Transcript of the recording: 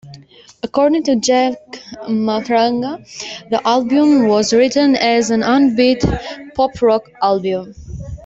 According to Jack Matranga, the album was written as an upbeat pop-rock album.